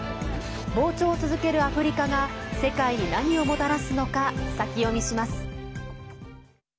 膨張を続けるアフリカが世界に何をもたらすのか先読みします。